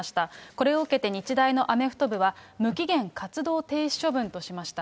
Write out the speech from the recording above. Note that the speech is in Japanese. これを受けて、日大のアメフト部は、無期限活動停止処分としました。